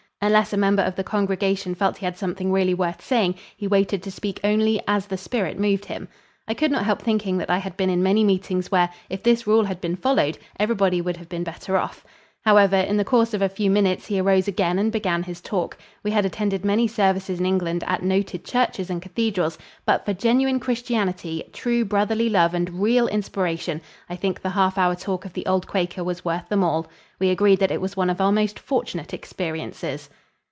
Unless a member of the congregation felt he had something really worth saying, he waited to speak only "as the Spirit moved him." I could not help thinking that I had been in many meetings where, if this rule had been followed, everybody would have been better off. However, in the course of a few minutes he arose again and began his talk. We had attended many services in England at noted churches and cathedrals, but for genuine Christianity, true brotherly love and real inspiration, I think the half hour talk of the old Quaker was worth them all. We agreed that it was one of our most fortunate experiences.